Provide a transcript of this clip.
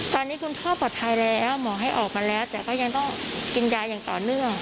ตอนนี้คุณพ่อปลอดภัยแล้วหมอให้ออกมาแล้วแต่ก็ยังต้องกินยาอย่างต่อเนื่อง